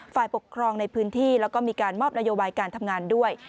ฝ่ายปกครองในพื้นที่แล้วก็มีการมอบนโยบายการทำงานด้วย